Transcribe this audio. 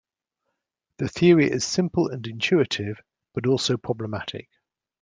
The theory is simple and intuitive, but also problematic.